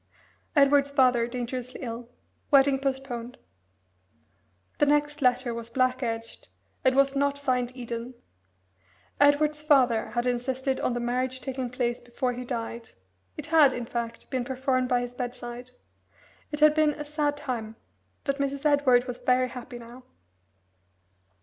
'Edward's father dangerously ill. Wedding postponed.'" The next letter was black edged, and was not signed "Eden." Edward's father had insisted on the marriage taking place before he died it had, in fact, been performed by his bedside. It had been a sad time, but Mrs. Edward was very happy now.